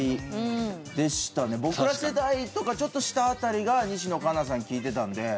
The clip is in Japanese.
僕ら世代とかちょっと下辺りが西野カナさん聴いてたので。